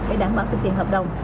để đảm bảo tiền tiền hợp đồng